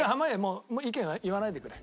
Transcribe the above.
もう意見は言わないでくれ。